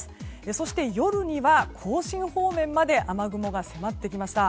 そして、夜には甲信方面まで雨雲が迫ってきました。